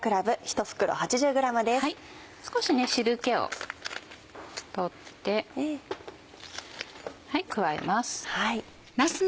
少し汁気を取って加えます。